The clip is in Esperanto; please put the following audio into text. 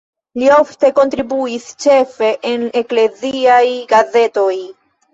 Li ofte kontribuis ĉefe en ekleziaj gazetoj.